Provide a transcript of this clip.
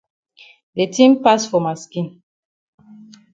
De tin pass for ma skin.